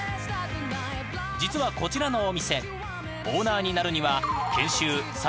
［実はこちらのお店オーナーになるには］